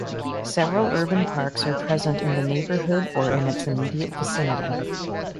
Several urban parks are present in the neighborhood or in its immediate vicinity.